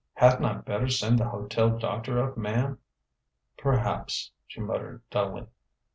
"Hadn't I better send the hotel doctor up, ma'm?" "Perhaps," she muttered dully.